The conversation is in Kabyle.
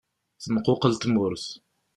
Tenquqel tmurt.